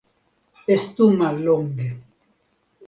Estu mallonge.